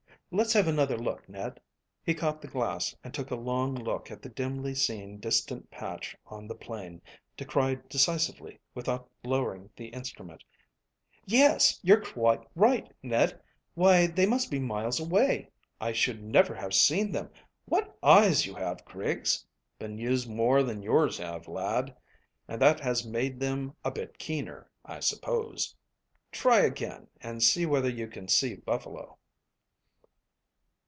"Let's have another look, Ned." He caught the glass and took a long look at the dimly seen distant patch on the plain, to cry decisively without lowering the instrument "Yes; you're quite right, Ned. Why, they must be miles away. I should never have seen them. What eyes you have, Griggs!" "Been used more than yours have, lad, and that has made them a bit keener, I suppose. Try again, and see whether you can see buffalo."